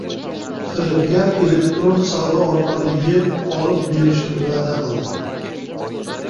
Firibgar «elektron savdo» orqali yer olib berishni va’da qildi